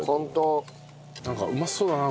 なんかうまそうだな